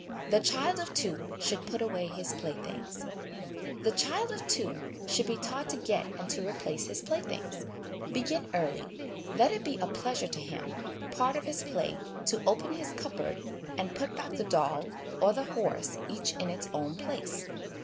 The Child of Two should put away his Play things. The child of two should be taught to get and to replace his playthings. Begin early. Let it be a pleasure to him, part of his play, to open his cupboard, and put back the doll or the horse each in its own place.